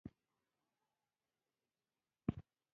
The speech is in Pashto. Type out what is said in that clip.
درود او سلام د بشریت په ستر لارښود حضرت محمد صلی الله علیه وسلم.